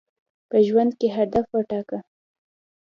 په ژوند کي هدف وټاکه.